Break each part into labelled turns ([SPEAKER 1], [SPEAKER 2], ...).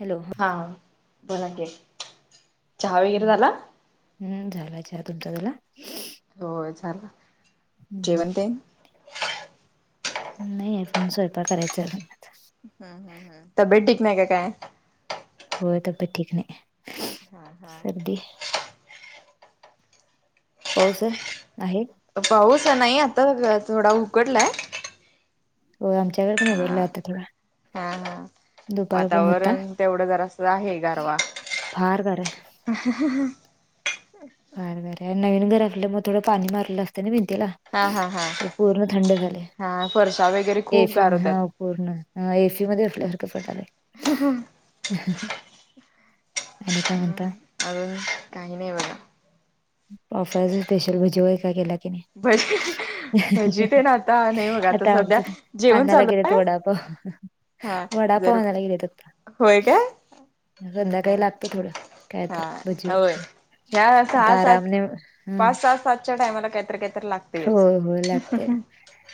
[SPEAKER 1] Hello
[SPEAKER 2] हा... बोला की... चहा वगैरे झाला?
[SPEAKER 1] हम्म... झाला चहा... तुमचा झाला?
[SPEAKER 2] हो... झाला...
[SPEAKER 1] हम्म.
[SPEAKER 2] जेवण तेन?
[SPEAKER 1] नई... अजून स्वयंपाक करायचाय मला तर.
[SPEAKER 2] हूं हूं हूं.... तब्येत ठीक नाई का काय?
[SPEAKER 1] होय... तब्येत ठीक नई.
[SPEAKER 2] हा हा.
[SPEAKER 1] पाऊस... आहे?
[SPEAKER 2] पाऊस... नाही आता... थोडा उकडलाय.
[SPEAKER 1] हो... आमच्याकडं पण उघडला
[SPEAKER 2] हा
[SPEAKER 1] आता थोडा.
[SPEAKER 2] हा हा...
[SPEAKER 1] दुपार पण होता
[SPEAKER 2] वातावरण तेवढं जरासं... आहे जरा गारवा
[SPEAKER 1] फार गार ए.
[SPEAKER 2] [inaudible]
[SPEAKER 1] फार गार ए... नवीन घर आपलं... मग थोडं पाणी मारलं असतं ना भिंतीला?
[SPEAKER 2] हा हा हा
[SPEAKER 1] ते पूर्ण थंड झालेय...
[SPEAKER 2] हा फरशा वगैरे खूप
[SPEAKER 1] एसी
[SPEAKER 2] गार होतात
[SPEAKER 1] [unintelligible] पूर्ण... हा.. एसी मध्ये असल्यासारखं वाटलंय.
[SPEAKER 2] [inaudible]
[SPEAKER 1] आणि काय म्हणता?
[SPEAKER 2] अजून... काही नाई बग.
[SPEAKER 1] [unintelligible] स्पेशल भजी वगैरे काय केल्या की
[SPEAKER 2] भजी भजी
[SPEAKER 1] नाय?
[SPEAKER 2] तेन आता नाही बघा
[SPEAKER 1] आता...
[SPEAKER 2] सध्या
[SPEAKER 1] आमच्यात
[SPEAKER 2] जेवण
[SPEAKER 1] अन्नाला
[SPEAKER 2] चालू
[SPEAKER 1] गेलंत.
[SPEAKER 2] आहे.
[SPEAKER 1] वडापाव....
[SPEAKER 2] हा
[SPEAKER 1] वडापाव
[SPEAKER 2] जर
[SPEAKER 1] आणायला गेल्यात आत्ता
[SPEAKER 2] होय काय हा
[SPEAKER 1] संध्याकाळी लागतं थोडं... काय तर... भजी वगैरे
[SPEAKER 2] या.
[SPEAKER 1] आता
[SPEAKER 2] सहा सात...
[SPEAKER 1] आरामने हम्म
[SPEAKER 2] पाच सात... पाचच्या टायमाला... कायतरी कायतर
[SPEAKER 1] हो
[SPEAKER 2] लागतंयच
[SPEAKER 1] हो लागतय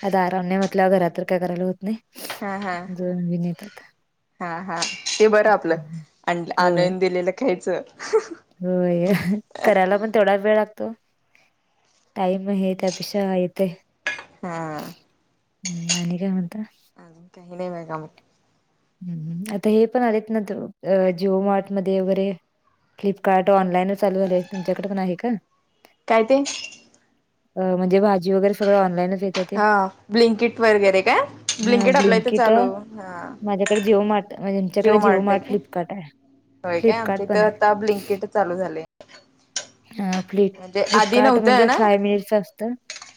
[SPEAKER 1] आता आरामनं म्हटल्यावर... घरात तर काय करायला होत नाय...
[SPEAKER 2] हा हा
[SPEAKER 1] जुळून बी नई येत
[SPEAKER 2] हा हा... ते बरं आपलं...
[SPEAKER 1] होय
[SPEAKER 2] आणून दिलेलं खायचं.
[SPEAKER 1] होय... करायला पण तेवढा वेळ लागतो. टाईम हे... त्यापेक्षा येते.
[SPEAKER 2] हा.
[SPEAKER 1] हम्म आणि काय म्हणता.
[SPEAKER 2] अजून काही नाही.
[SPEAKER 1] हम्म हम्म आता हे पण आलेत ना त अ जिओ मार्ट मध्ये वगैरे फ्लिपकार्ट ऑनलाईनच चालू झालं तुमच्याकड पण आहे का?
[SPEAKER 2] काय ते
[SPEAKER 1] अ म्हणजे भाजी वगैरे सगळं ऑनलाईन येत.
[SPEAKER 2] हा ब्लिंकीट वगैरे का ब्लिंकिट आपल्या हितं चालू. हा
[SPEAKER 1] माझ्याकड जिओ मार्ट म्हणजे तुमच्याकड जिओ मार्ट फ्लिपकार्ट आय.
[SPEAKER 2] होय काय आमची हितं आता ब्लिंकीट चालू झालंय.
[SPEAKER 1] अ
[SPEAKER 2] म्हणजे आधी
[SPEAKER 1] फ्लिप-फ्लिपकार्ट
[SPEAKER 2] नव्हतं
[SPEAKER 1] म्हणजे
[SPEAKER 2] ना
[SPEAKER 1] फाय मिनिट असतं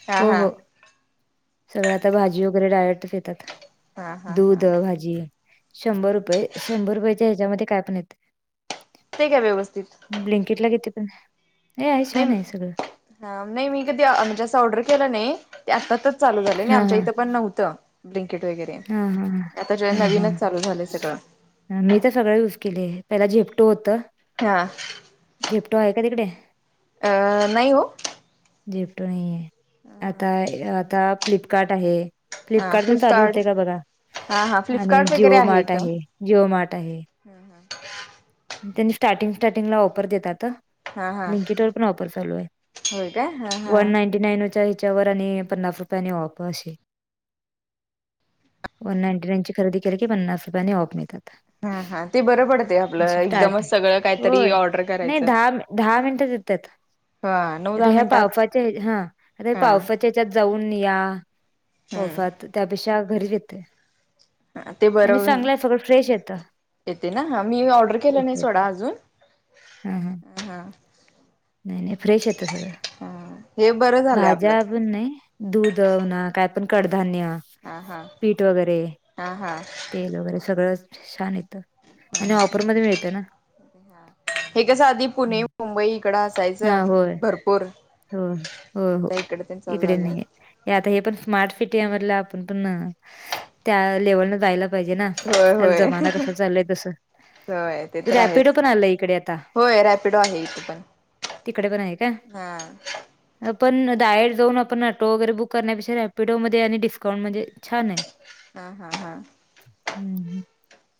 [SPEAKER 2] हा
[SPEAKER 1] हो
[SPEAKER 2] हा
[SPEAKER 1] हो सगळं आता भाजी वगैरे डायरेक्ट भेतात
[SPEAKER 2] हा हा
[SPEAKER 1] दूध
[SPEAKER 2] हा
[SPEAKER 1] भाजी शंभर रुपये शंभर रुपयच्या हेज्यामध्ये काय पण येतं.
[SPEAKER 2] ते काय व्यवस्थित.
[SPEAKER 1] ब्लिंकीट ला किती पण छान आहे सगळं
[SPEAKER 2] आ नाय मी कधी म्हणजे असं ऑर्डर केलं नाही ते आत्तातातच चालू झालंय आणि
[SPEAKER 1] हा
[SPEAKER 2] आमच्या
[SPEAKER 1] हा
[SPEAKER 2] इथं पण नव्हतं. ब्लिंकीट वगैरे
[SPEAKER 1] हा हा
[SPEAKER 2] आता
[SPEAKER 1] हा हा
[SPEAKER 2] नवीनच चालू झालंय सगळं
[SPEAKER 1] मी तर सगळं यूज केलंय पहिला झेप्टो होत.
[SPEAKER 2] हा.
[SPEAKER 1] झेप्टो आहे का तिकडे?
[SPEAKER 2] अ नाही ओ.
[SPEAKER 1] झेप्टो नायिये आता आता फ्लिपकार्ट आहे. फ्लिपकार्ट पण चालू हुतय का बघा
[SPEAKER 2] हा हा
[SPEAKER 1] आणि
[SPEAKER 2] फ्लिपकार्ट
[SPEAKER 1] जिओ मार्ट आहे जिओ मार्ट आहे.
[SPEAKER 2] हम्म हम्म.
[SPEAKER 1] तेनी स्टार्टिंग स्टार्टिंगला ऑफर देतात ह.
[SPEAKER 2] हा हा
[SPEAKER 1] ब्लिंकिटला वर पण ऑफर चालु आहे आय
[SPEAKER 2] होय काय हा हा
[SPEAKER 1] वन नाइन नाईनच्या हेच्यावर आणि पन्नास रुपयानी ऑफ अशी. वन नाइंटी नाईन ची खरेदी केली की पन्नास रुपयांनी ऑफ मिळतात.
[SPEAKER 2] अ हा ते बरं पडतंय आपलं. एकदमच
[SPEAKER 1] टार्टिंग
[SPEAKER 2] सगळं काहीतरी
[SPEAKER 1] होय
[SPEAKER 2] ऑर्डर
[SPEAKER 1] नाय
[SPEAKER 2] करायचं
[SPEAKER 1] दहा मि दहा मिनिटं येतात.
[SPEAKER 2] हा नऊ
[SPEAKER 1] आता
[SPEAKER 2] दहा
[SPEAKER 1] ह्या
[SPEAKER 2] मिनिटात
[SPEAKER 1] पावसाच्या हे हा आता
[SPEAKER 2] हा
[SPEAKER 1] पावसाचा. चेच्यात जाऊन या
[SPEAKER 2] हम्म
[SPEAKER 1] पावसात त्यापेक्षा घरी येतय
[SPEAKER 2] अ अ ते
[SPEAKER 1] आणि
[SPEAKER 2] बरवून
[SPEAKER 1] चांगलं आहे सगळं फ्रेश येतं
[SPEAKER 2] येते ना मी ऑर्डर केलं नाई
[SPEAKER 1] येत
[SPEAKER 2] सोडा आजून
[SPEAKER 1] नाय नाय फ्रेश येतं सगळं
[SPEAKER 2] हा हे बरं झालंय आपलं
[SPEAKER 1] भाज्या पण नाय दूध म्हणा काय पण कडधान्य.
[SPEAKER 2] हा हा
[SPEAKER 1] पीठ वगैरे
[SPEAKER 2] हा हा
[SPEAKER 1] तेल वगैरे सगळंच छान येत त आणि ऑफरमध्ये मिळत.
[SPEAKER 2] हे कसं आधी पुणे मुंबई इकडं
[SPEAKER 1] हा
[SPEAKER 2] असायचं भरप पूर.
[SPEAKER 1] होय हो हो इकडे नाही आहे आता हे स्मार्ट सिटीया मधला आपण पण त्या लेवल न. पाहिजे ना
[SPEAKER 2] होय
[SPEAKER 1] आता
[SPEAKER 2] होय
[SPEAKER 1] जमाना कसा चाललाय तसं
[SPEAKER 2] होय ते तर
[SPEAKER 1] रॅपिडो
[SPEAKER 2] आहेच
[SPEAKER 1] पण आलाय इकडे आता
[SPEAKER 2] होय रॅपिडो आहे इथे पण
[SPEAKER 1] तिकडे पण आहे का?
[SPEAKER 2] हां
[SPEAKER 1] आपणं डायंल जाऊंन आपणं ऑटो वगैरे बुंक करण्यांपेक्षा रॅपिडोमध्यें आणि डिस्काउंट मध्यें छान आहे
[SPEAKER 2] हमं हमं हमं.
[SPEAKER 1] हम्मं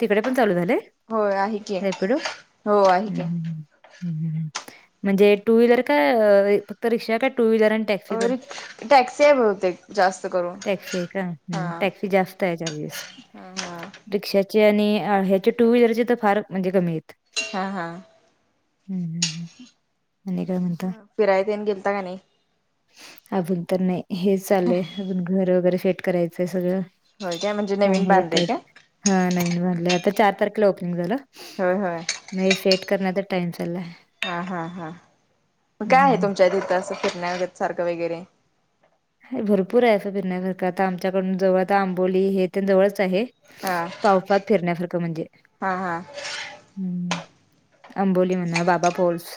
[SPEAKER 1] तिकडे पणं चालूं झाले.
[SPEAKER 2] होय आहे की
[SPEAKER 1] एपिडो
[SPEAKER 2] हो आहे की
[SPEAKER 1] हम्मं हमं. म्हणजे टूं व्हीलर कां अं फक्तं रिक्षा कां टूं व्हीलर आणि टॅ
[SPEAKER 2] टॅक्सी आहे बहुंतेक जास्तं करूंन.
[SPEAKER 1] ठीक है हम्मं. टॅक्सी जास्तं आहे चार्जेस.
[SPEAKER 2] हां
[SPEAKER 1] रिक्षांचे आणि ह्यांचे टूं व्हीलरचे तरं फारंच म्हणजे कमी आहेतं.
[SPEAKER 2] हां हां.
[SPEAKER 1] हम्मं हम्मं हम्मं आणि कायं म्हणतांय?
[SPEAKER 2] फिरांय देनं गेलतां कां नाहीं?
[SPEAKER 1] अजूंन तरं नाहीं हे चाललंय अजूंन घरं वगैरें सेंट करांयचंय सगळं.
[SPEAKER 2] होय काय म्हणजे नवीन
[SPEAKER 1] त्यांमुळे
[SPEAKER 2] बांधलय
[SPEAKER 1] टाईट
[SPEAKER 2] काय
[SPEAKER 1] हां नवीन भरलंय आंता चार तारखेला ओपनिंग झालं.
[SPEAKER 2] होयं होयं
[SPEAKER 1] नाहीं सेंट करण्यातचं टाईम चाललांय.
[SPEAKER 2] हां, हां, हां मगं कायं आहे तुमच्यां इथं असं फिरण्यां वगैरें सारखं वगैरे
[SPEAKER 1] हांय भरंपूर हांय फिरण्यांसारखं आंता आमच्यांकडूंन जवळं आंबोली हे ते जवळचं हांय.
[SPEAKER 2] हा
[SPEAKER 1] पावसांत फिरण्यांसारखं म्हणजे
[SPEAKER 2] हा हा
[SPEAKER 1] हम्मं हमं अंबोली म्हणां बाबां पोल्स.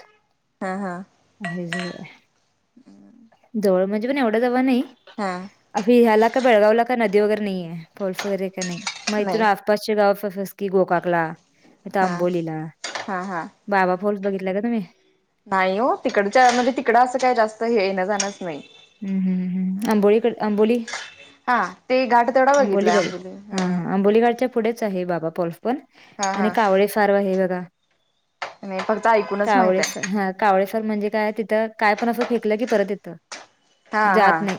[SPEAKER 2] हां हां
[SPEAKER 1] हांय जवळं. जवळं म्हणजे पणं एवढे जवळं नाहीं.
[SPEAKER 2] हां
[SPEAKER 1] अभी ह्यांला कां बेळगांवला कां नदी वगैरें नाहीें फॉल्स वगैरें कां नाहीं
[SPEAKER 2] नाही
[SPEAKER 1] गावांत की गोकांकलां नाहीं तरं
[SPEAKER 2] हा
[SPEAKER 1] आंबोलीला.
[SPEAKER 2] हा
[SPEAKER 1] बाबां फॉल्स बघितलांय कां तुम्हीं?
[SPEAKER 2] नाहीं हो तिकडच्यां म्हणजे तिकडं असं कायं जास्तं येणं जाणंच नाहीं..
[SPEAKER 1] हम्मं हमं हम्मं आंबोली कडे अंबोली
[SPEAKER 2] हा ते घाट तेवढा
[SPEAKER 1] आंबोली
[SPEAKER 2] बघितलाय
[SPEAKER 1] बघे हां
[SPEAKER 2] हा
[SPEAKER 1] हां आंबोलीच्या पुढेचं आहे बाबां फॉल्स पणं
[SPEAKER 2] हा
[SPEAKER 1] आणि
[SPEAKER 2] हा
[SPEAKER 1] कावळे फारव आहे बघां.
[SPEAKER 2] नाही फक्त ऐकूनच माहित
[SPEAKER 1] कांवळे
[SPEAKER 2] आहे
[SPEAKER 1] सरं कांवळेसरं म्हणजे कायं तिथं कायं पणं असं फेकलं की परतं येतं.
[SPEAKER 2] हां हां
[SPEAKER 1] जात नाही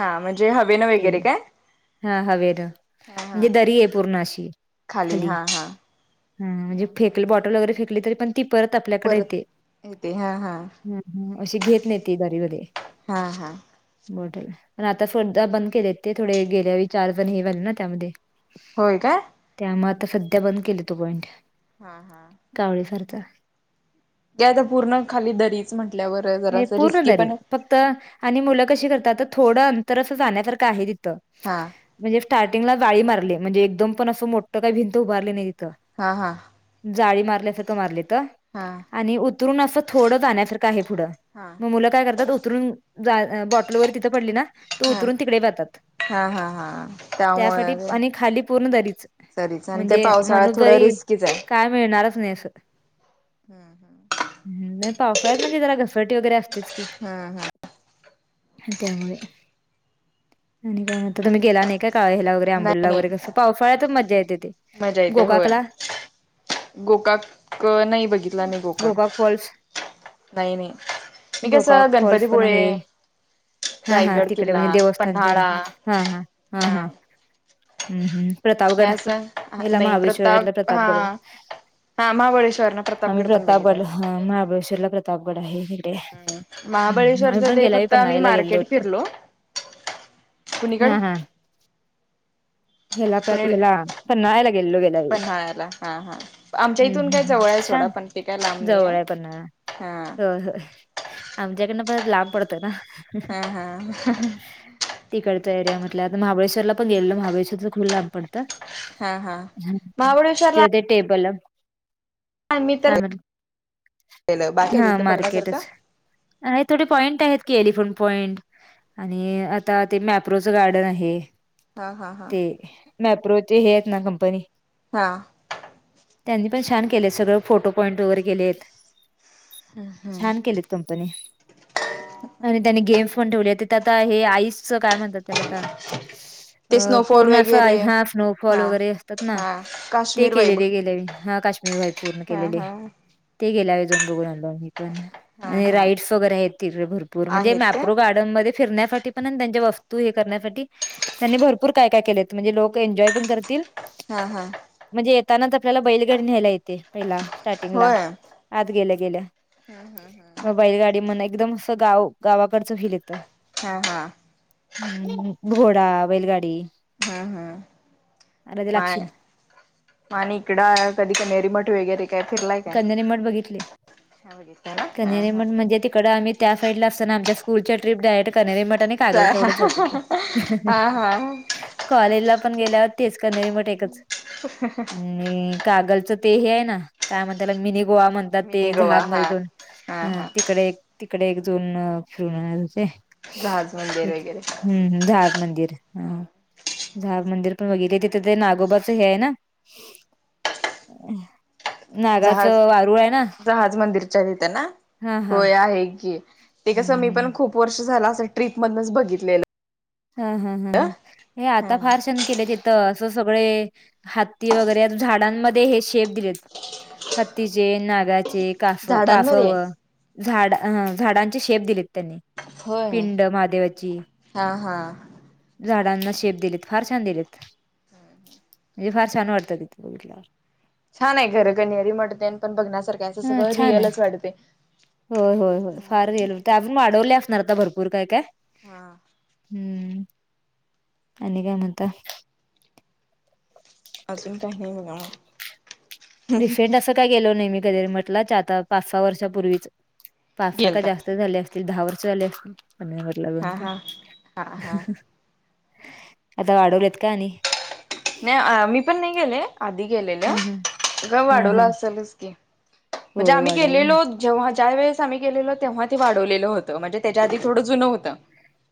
[SPEAKER 2] हां म्हणजे हवे नां वगैरें कां
[SPEAKER 1] हां हवे नं म्हणजे दरी आहे पूर्ण अशी
[SPEAKER 2] खाली
[SPEAKER 1] खांली
[SPEAKER 2] हा हा
[SPEAKER 1] हम्मं म्हणजे फेकले बॉटल वगैरें फेकली पणं ती परतं आपल्याकडे
[SPEAKER 2] परत
[SPEAKER 1] येते.
[SPEAKER 2] येते हा हा
[SPEAKER 1] हम्मं अशी घेतं नाहीं ती बारीवरती.
[SPEAKER 2] हां हां
[SPEAKER 1] बॉटल पणं आंता बंद केलेत ते थोडे गेल्यावेळी चारजणं हे झाले त्यांमुळे
[SPEAKER 2] होयं कायं?
[SPEAKER 1] त्यांमुळे आंता संध्या बंद केले तो पॉईंट.
[SPEAKER 2] हां हां.
[SPEAKER 1] कांवळेसांरखा
[SPEAKER 2] या आता पूर्ण खाली दरीच म्हटल्यावर जरा असं रिस्की पण
[SPEAKER 1] त आणि मुलं कशी करतात तर थोडं अंतर असं जाण्यासारखं आहे तिथं
[SPEAKER 2] हा
[SPEAKER 1] म्हणजे स्टार्टिंगला जाळी मारले म्हणजे एकदम पण असं मोठं काही भिंत उभारली नाही तिथं.
[SPEAKER 2] हा, हा
[SPEAKER 1] जाळी मारल्यासारखं मारली तर
[SPEAKER 2] हा
[SPEAKER 1] आणि उतरून असं थोडं जाण्यासारखं आहे पुढं.
[SPEAKER 2] हा
[SPEAKER 1] मग मुलं काय करतात उतरून जाय बॉटलवर तिथं पडली ना त
[SPEAKER 2] हा
[SPEAKER 1] उतरून तिकडे जातात.
[SPEAKER 2] हा हा हा
[SPEAKER 1] त्यासाठी, आणि खाली पूर्ण दरीच
[SPEAKER 2] दरीच आणि ते
[SPEAKER 1] म्हणजे
[SPEAKER 2] पावसाळ्यात
[SPEAKER 1] माणूस
[SPEAKER 2] थोडं
[SPEAKER 1] जरी
[SPEAKER 2] रिस्कीच आहे.
[SPEAKER 1] काय मिळणारच नाही अस, नाही पावफळ्यात म्हणजे जरा घस फट वगैरे असतेच की.
[SPEAKER 2] ह, ह
[SPEAKER 1] हं, त्यामुळे आणि काय म्हण तुम्ही गेला नाही का काळ ला त्या
[SPEAKER 2] हम् नाही
[SPEAKER 1] आंबोला
[SPEAKER 2] नाही
[SPEAKER 1] वगैरे कसं पावसाळ्यातच मज्जा येते ते
[SPEAKER 2] मजा येते होय
[SPEAKER 1] गोकाकला
[SPEAKER 2] गोकाक क नाही बघितला मी, गोकाक नाही नाही मी कसं
[SPEAKER 1] गोकाक फॉल्स पण
[SPEAKER 2] गणपतीपुळे
[SPEAKER 1] आहे. हा, हा
[SPEAKER 2] रायगड
[SPEAKER 1] तिकडे म्हणजे
[SPEAKER 2] किल्ला
[SPEAKER 1] देवस्थानच्याडे
[SPEAKER 2] पन्हाळा
[SPEAKER 1] हा, हा, हा, हा हम्म, हम्म
[SPEAKER 2] हे
[SPEAKER 1] प्रतापगड
[SPEAKER 2] असं
[SPEAKER 1] एला
[SPEAKER 2] नाही
[SPEAKER 1] महावेश्वरला
[SPEAKER 2] प्रताप हा
[SPEAKER 1] प्रतापगड
[SPEAKER 2] हा महाबळेश्वर ना
[SPEAKER 1] आम्ही
[SPEAKER 2] पण बघितलंय
[SPEAKER 1] प्रतापगड ह महाबळेश्वरला प्रतापगड आहे हिकडेे
[SPEAKER 2] महाबळेश्वरच ते फक्त आम्ही
[SPEAKER 1] गेलो
[SPEAKER 2] मार्केट
[SPEAKER 1] होतो
[SPEAKER 2] फिरलो. कुणीकडं?
[SPEAKER 1] हा हा
[SPEAKER 2] [unintelligible]
[SPEAKER 1] ह्याला प्र ह्याला पन्हाळ्याला गेलेलो गेल्यावेळी
[SPEAKER 2] पन्हाळ्याला हा, हा आमच्या
[SPEAKER 1] हम्म
[SPEAKER 2] इथून काय
[SPEAKER 1] हम्म हम्म.
[SPEAKER 2] जवळ आहे सोडा
[SPEAKER 1] छान
[SPEAKER 2] पण ते काय लांब नाही आहे, हा
[SPEAKER 1] हं, हं आमच्याकडंन फार लांब पडत का
[SPEAKER 2] ह, ह, अं, अं, हं
[SPEAKER 1] तिकडच्या एरिया मधलं आता महाबळेश्वरला पण गेलेल महाबळेश्वर तर खुल लांब पडतं.
[SPEAKER 2] हा हा
[SPEAKER 1] हं,
[SPEAKER 2] महाबळेश्वरला
[SPEAKER 1] ति ते टेबला
[SPEAKER 2] मी तर, बाकी तिथं बघण्यासारखं?
[SPEAKER 1] आहे थोडे पॉईंट आहेत की एलिफोन पॉईंट. आणि आता ते मॅप्रोच गार्डन आहे.
[SPEAKER 2] हा हा हा
[SPEAKER 1] ते मॅप्रोच हे त ना कंपनी
[SPEAKER 2] हा
[SPEAKER 1] त्यांनी पण छान केले सगळं, फोटो पॉईंट वगैरे केलेत. छान केलेत तुम [inaudible] आणि त्यानी गेम्स पण ठेवले तिथं आता हे आईसच काय म्हणतात त्याला आता
[SPEAKER 2] ते
[SPEAKER 1] अ
[SPEAKER 2] स्नोफॉल
[SPEAKER 1] पूर्ण अस
[SPEAKER 2] वगैरे
[SPEAKER 1] ह्या स्नोफॉल
[SPEAKER 2] हा
[SPEAKER 1] असतात ना
[SPEAKER 2] हा
[SPEAKER 1] ते
[SPEAKER 2] काश्मीर वाईब
[SPEAKER 1] केलेले गेले हा काश्मीर व्हाई पूर्ण
[SPEAKER 2] हा
[SPEAKER 1] केलेले
[SPEAKER 2] हा
[SPEAKER 1] ते गेल्या वजून बघून आलो मी पण
[SPEAKER 2] हा
[SPEAKER 1] आणि
[SPEAKER 2] हा
[SPEAKER 1] राईड्स वगैरे आहेत तिकडे भरपूर म्हणजे
[SPEAKER 2] आहेत का
[SPEAKER 1] मॅप्रो गार्ड डन मध्ये फिरण्यासाठी पण, त्यांच्या वस्तू हे करण्यासाठी त्यांनी भरपूर काय, काय केलेत म्हणजे लोक एन्जॉय पण करतील
[SPEAKER 2] हा हा
[SPEAKER 1] म्हणजे येतानात आपल्याला बैलगाडी न्यायला येते, पहिला स्टार्टिंगला
[SPEAKER 2] होय
[SPEAKER 1] आत गेल्या, गेल्या म बैलगाडी म्हणा एकदम असं गाव गावाकडचं फिल येतं.
[SPEAKER 2] हा, हा
[SPEAKER 1] हम्म घोडा बैलगाडी
[SPEAKER 2] हम्म हम्म
[SPEAKER 1] आला ते
[SPEAKER 2] माय
[SPEAKER 1] लागशील.
[SPEAKER 2] आणि इकडं कधी कणेरीमठ वगैरे काय फिरलाय काय
[SPEAKER 1] कणेरी मठ बघितले
[SPEAKER 2] हा बघितला ना हा
[SPEAKER 1] कणेरी
[SPEAKER 2] हा
[SPEAKER 1] मठ म्हणजे तिकडं आम्ही त्या साईडला असताना आमच्या स्कूलच्या ट्रिप जायचे कणेरी मठ त्यांनी काय झालं तेवढंच जातो ते‌
[SPEAKER 2] हा हा
[SPEAKER 1] कॉलेजला पण गेल्यावर तेच कणेरी मठ एकच‌ आणि कागलच ते हे आहे ना काय म्ह त्याला मिनी गोवा म्हणतात
[SPEAKER 2] मिनी
[SPEAKER 1] ते
[SPEAKER 2] गोवा
[SPEAKER 1] झाहाब मध्ये
[SPEAKER 2] हा
[SPEAKER 1] दोन,
[SPEAKER 2] हा
[SPEAKER 1] अ
[SPEAKER 2] हा
[SPEAKER 1] तिकडे एक तिकडे अजून फिरून येणार होते
[SPEAKER 2] जहाज मंदिर
[SPEAKER 1] तेच
[SPEAKER 2] वगैरे
[SPEAKER 1] हम्म हम्म झाहाब मंदिर हां झाहाब मंदिर पण बघितले ते तिथे ते नागोबाच हे आहे ना. [inaudible]
[SPEAKER 2] जहाज
[SPEAKER 1] नागाचं वारूळ आहे ना
[SPEAKER 2] जहाज मंदिरच्या तिथे ना
[SPEAKER 1] हा हा
[SPEAKER 2] होय आहे की. ते
[SPEAKER 1] हम्म
[SPEAKER 2] कसं मी
[SPEAKER 1] हम्म
[SPEAKER 2] पण खूप वर्ष झाला असेल ट्रिप मधूनच बघितलेलं.
[SPEAKER 1] हा हा हा हे आता
[SPEAKER 2] हा
[SPEAKER 1] फारशे केलं तिथं असं सगळे हत्ती वगैरे अजून झाडांमध्ये हे शेप दिलेत. हत्तीचे नागाचे कासव
[SPEAKER 2] झाडांमध्ये
[SPEAKER 1] कासव झाड हां झाडांचे शेप दिलेत त्यांनी
[SPEAKER 2] होय
[SPEAKER 1] पिंड महादेवाची
[SPEAKER 2] हा हा.
[SPEAKER 1] झाडांना शेप दिलेत फार छान दिलेत. हे फार छान वाटतं तिथे बघितल्यावर
[SPEAKER 2] छान आहे घरं कणेरी मठ ते पण बघण्यासारखं असं
[SPEAKER 1] हा
[SPEAKER 2] सगळं
[SPEAKER 1] छान आहे
[SPEAKER 2] रिअलच वाटते.
[SPEAKER 1] होय होय होय फार रिअल होते अजून वाढवले असणार आता भरपूर काय काय
[SPEAKER 2] हा.
[SPEAKER 1] हम्म आणि काय म्हणता.
[SPEAKER 2] अजून काही म्हणा मग
[SPEAKER 1] रिसेंट असं काय गेलो नाही मी कणेरी मठला च आता पाच सहा वर्षापूर्वीच पाच सहा का
[SPEAKER 2] गेलता
[SPEAKER 1] जास्त झाले असतील दहा वर्ष झाले असतील कणेरी
[SPEAKER 2] हा
[SPEAKER 1] मठ
[SPEAKER 2] हा हा हा
[SPEAKER 1] आता वाढवलेत का आणि
[SPEAKER 2] नाही अह मी पण नाही गेले. आधी गेलेल्या
[SPEAKER 1] हम्म हम्म
[SPEAKER 2] गा
[SPEAKER 1] हा
[SPEAKER 2] वाढवला
[SPEAKER 1] हा
[SPEAKER 2] असेलच की म्हणजे
[SPEAKER 1] होय
[SPEAKER 2] आम्ही
[SPEAKER 1] वाढवलं
[SPEAKER 2] गेलेलो जेव्हा ज्या वेळेस आम्ही गेलेलो तेव्हा ते वाढवलेलं होतं, म्हणजे त्यांच्या आधी थोडं जुनं होतं.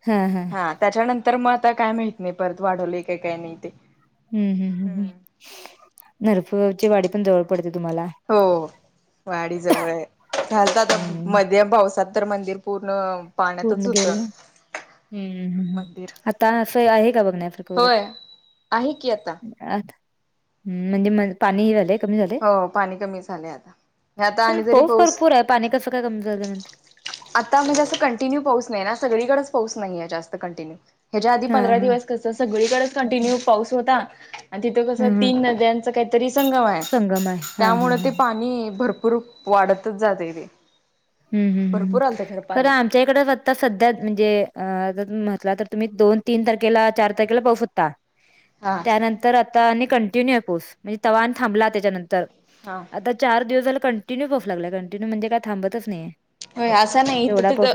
[SPEAKER 1] ह हां
[SPEAKER 2] हा त्याच्यानंतर मग आता काय माहित नाही परत वाढवले का काय नाही ते
[SPEAKER 1] हम्म हम्म हम्म हम्म नरफची वाडी पण जवळ पडते तुम्हाला
[SPEAKER 2] हो वाडी जवळ आहे झालतं आता
[SPEAKER 1] हम्म
[SPEAKER 2] मध्ये पावसात तर मंदिर पूर्ण पाण्यातच
[SPEAKER 1] पूर्ण गेल
[SPEAKER 2] होतं.
[SPEAKER 1] ना हम्म हम्म
[SPEAKER 2] मंदिर
[SPEAKER 1] आता असं आहे का बघण्यासारखं वगैरे
[SPEAKER 2] होय आहे की आता
[SPEAKER 1] आता हम्म म्हणजे मग पाणीही झालेत. कमी झाले
[SPEAKER 2] हो पाणी कमी झालंय आता आता
[SPEAKER 1] पण
[SPEAKER 2] आणि जरी
[SPEAKER 1] पाऊस भरपूर आहे पाणी कसं काय कमी झालं म्हणताय.
[SPEAKER 2] आता म्हणजे असं कंटिन्यू पाऊस नाही ना सगळीकडेच पाऊस नाहीये जास्त कंटिन्यू ह्याच्या आधी
[SPEAKER 1] हा
[SPEAKER 2] पंधरा
[SPEAKER 1] हा
[SPEAKER 2] दिवस कसं सगळीकडेच कंटिन्यू
[SPEAKER 1] ह
[SPEAKER 2] पाऊस होता. आणि तिथं कसं
[SPEAKER 1] ह
[SPEAKER 2] तीन नद्यांचा काहीतरी संगम आहे.
[SPEAKER 1] संगम आहे. हा हा
[SPEAKER 2] त्यामुळं ते
[SPEAKER 1] ह
[SPEAKER 2] पाणी भरपूर वाढतच जातंय ते.
[SPEAKER 1] हम्म हम्म हम्म
[SPEAKER 2] भरपूर आलतं खरं
[SPEAKER 1] खर
[SPEAKER 2] पाणी
[SPEAKER 1] आ मच्याइड आता सध्या म्हणजे अ जर तुम्ही म्हटला तर तुम्ही दोन तीन तारखेला चार तारखेला पाऊस होता.
[SPEAKER 2] हा
[SPEAKER 1] त्यानंतर आता आणि कंटिन्यू आय पाऊस म्हणजे तवा अन् थांबला त्याच्यानंतर.
[SPEAKER 2] हा.
[SPEAKER 1] आता चार दिवस झालं कंटिन्यू बफ लागलाय कंटिन्यू म्हणजे काय थांबतच नाहीये.
[SPEAKER 2] होय असा नाय तिथं ग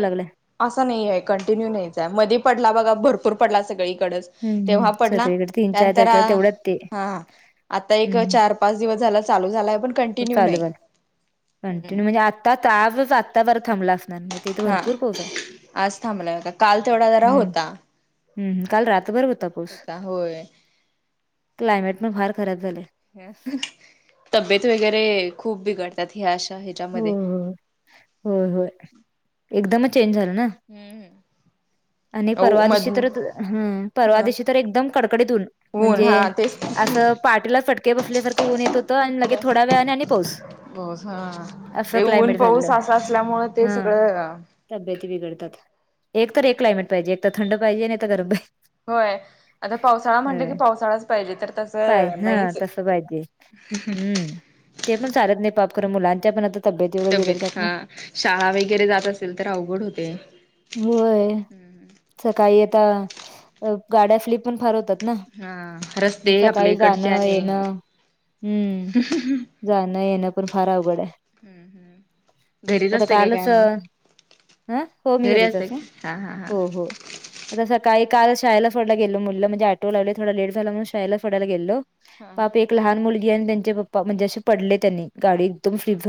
[SPEAKER 2] असा नाईये कंटिन्यू नाहीच ए मधी पडला बघा भरपूर पडला सगळीकडच.
[SPEAKER 1] हम्म हम्म
[SPEAKER 2] तेव्हा पडला
[SPEAKER 1] सगळीकडे तीन चार
[SPEAKER 2] त्यानंतर
[SPEAKER 1] तारखेला तेवढ्याच ते
[SPEAKER 2] हा आता एक
[SPEAKER 1] हम्म
[SPEAKER 2] चार पाच दिवस झाला चालू झालाय पण कंटिन्यू
[SPEAKER 1] चालू
[SPEAKER 2] नाय.
[SPEAKER 1] झालं कंटिन्यू म्हणजे आता आजच आता बर थांबला असणार. तिथे
[SPEAKER 2] हा
[SPEAKER 1] भरपूर पाऊस आहे
[SPEAKER 2] आज थांबलाय काल तेवढा जरा
[SPEAKER 1] हम्म
[SPEAKER 2] होता.
[SPEAKER 1] हम्म काल रात बर होता.
[SPEAKER 2] होता होय.
[SPEAKER 1] क्लायमेटन फार खराब झालय.
[SPEAKER 2] तब्येत वगैरे खूप बिघडतात ह्या अशा ह्याच्या
[SPEAKER 1] हो
[SPEAKER 2] मध्ये.
[SPEAKER 1] हो होय होय एकदमच चेंज झालं ना. आणि
[SPEAKER 2] हो
[SPEAKER 1] परवा दिशी
[SPEAKER 2] मध
[SPEAKER 1] तर हम् परवा
[SPEAKER 2] हा
[SPEAKER 1] दिशी तर एकदम कडकडीत ऊन
[SPEAKER 2] ऊन
[SPEAKER 1] म्हणजे
[SPEAKER 2] हा तेच
[SPEAKER 1] असं पाटीला फटके बसल्यासारखं ऊन येत होतं आणि लगे थोड्या वेळा आणि पाऊस.
[SPEAKER 2] हो हा
[SPEAKER 1] असं
[SPEAKER 2] ते ऊन
[SPEAKER 1] क्लायमेट
[SPEAKER 2] पाऊस
[SPEAKER 1] झालेलं
[SPEAKER 2] असा असल्यामुळ ते सगळं
[SPEAKER 1] तब्येत बिघडतात एक तर एक क्लायमेट पाहिजे एक तर थंड पाहिजे नाही तर गरम पाहिजे.
[SPEAKER 2] होय आता पावसाळा म्हणलं की पावसाळाच पाहिजे तर
[SPEAKER 1] पाहिजे
[SPEAKER 2] तसं नाय
[SPEAKER 1] हा तसं पाहिजे. हम्म.
[SPEAKER 2] [unintelligible]
[SPEAKER 1] ते पण चालत नाय पाप खर मुलांच्या पण आता तब्येती वगैरे
[SPEAKER 2] तब्येत
[SPEAKER 1] बिघडतात
[SPEAKER 2] हा
[SPEAKER 1] ना.
[SPEAKER 2] शाळा वगैरे जात असेल तर अवघड होते.
[SPEAKER 1] व्हय सकाळी आता गाड्या स्लिप पण फार होतात. ना
[SPEAKER 2] हा
[SPEAKER 1] म
[SPEAKER 2] रस्ते आपल्या
[SPEAKER 1] सकाळी
[SPEAKER 2] इकडचे
[SPEAKER 1] जाणं
[SPEAKER 2] आणि
[SPEAKER 1] येणं हम्म. जाणं येणं पण फार आवड आय.
[SPEAKER 2] घरीच
[SPEAKER 1] आता
[SPEAKER 2] असते काय
[SPEAKER 1] कालच
[SPEAKER 2] काय मग
[SPEAKER 1] आ हो मी
[SPEAKER 2] घरी
[SPEAKER 1] घरीच
[SPEAKER 2] का
[SPEAKER 1] असते
[SPEAKER 2] हा हा हा
[SPEAKER 1] हो हो. आता सकाळी काल शाळेला सोडायला गेलो मुलींला म्हणजे ऑटो लावले थोडा लेट झाला म्हणून शाळेला सोडायला गेलेलो.
[SPEAKER 2] हा
[SPEAKER 1] पाप एक लहान मुलगी आणि त्यांचे पप्पा म्हणजे असे पडले त्यांनी गाडी एकदम स्लीप झा